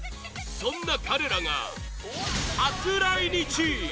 そんな彼らが、初来日！